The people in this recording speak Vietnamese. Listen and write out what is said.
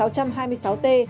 chuyên án sáu trăm hai mươi sáu t